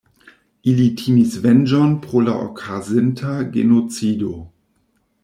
Ili timis venĝon pro la okazinta genocido.